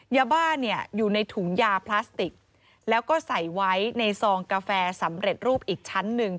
ยาบ้าเนี่ยอยู่ในถุงยาพลาสติกแล้วก็ใส่ไว้ในซองกาแฟสำเร็จรูปอีกชั้นหนึ่ง